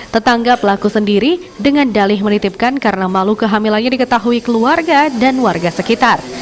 tetangga pelaku sendiri dengan dalih menitipkan karena malu kehamilannya diketahui keluarga dan warga sekitar